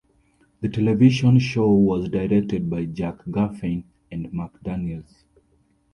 The television show was directed by Jack Garfein and Marc Daniels.